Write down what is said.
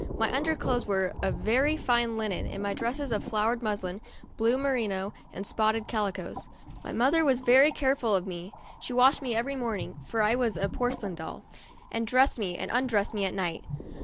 My under clothes were of very fine linen, and my dresses of flowered muslin, blue merino, and spotted calicoes. My mother was very careful of me ; she washed me every morning (for I was a porcelain Doll), and dressed me, and undressed me at night.